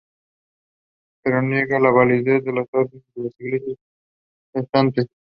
Pero niega la validez de las órdenes de las iglesias protestantes.